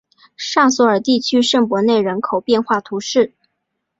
尚索尔地区圣博内人口变化图示